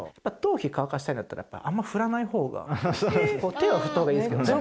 手は振った方がいいですけどね